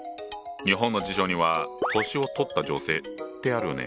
日本の辞書には「年をとった女性」ってあるね。